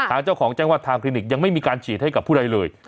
ทางเจ้าของแจ้งว่าทางคลินิกยังไม่มีการฉีดให้กับผู้ใดเลย